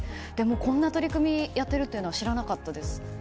こんな取り組みやってるというのは知らなかったです。